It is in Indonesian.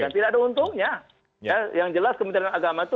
tidak ada untungnya yang jelas kementerian agama itu